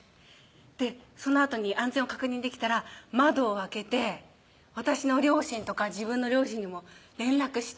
そのあとに安全を確認できたら窓を開けて私の両親とか自分の両親にも連絡して